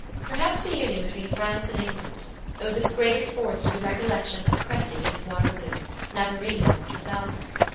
Perhaps the union between France and England owes its greatest force to the recollection of Cressy and Waterloo, Navarino and Trafalgar.